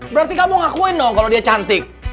berarti kamu ngakuin dong kalau dia cantik